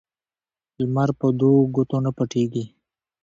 لمر په دو ګوتو نه پټېږي